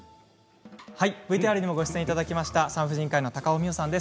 ＶＴＲにもご出演いただいた産婦人科医の高尾美穂さんです。